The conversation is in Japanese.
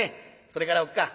「それからおっ母ぁ」。